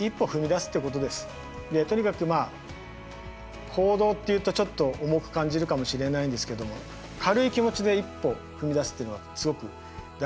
とにかくまあ行動っていうとちょっと重く感じるかもしれないんですけども軽い気持ちで一歩踏み出すっていうのがすごく大事かなと思います。